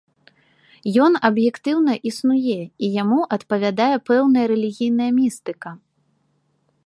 Ён аб'ектыўна існуе, і яму адпавядае пэўная рэлігійная містыка.